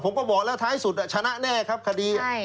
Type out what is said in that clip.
ผมก็บอกแล้วท้ายสุดชนะแน่ครับคดี